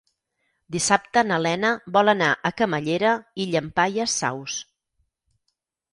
Dissabte na Lena vol anar a Camallera i Llampaies Saus.